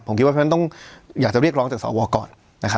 ผมก็อยากจะเรียกร้องจากสวก่อน